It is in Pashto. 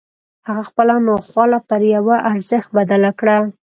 هغه خپله ناخواله پر يوه ارزښت بدله کړه.